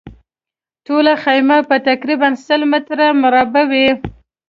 ټوله خیمه به تقریباً سل متره مربع وي.